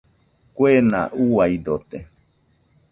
Kuena uaidote.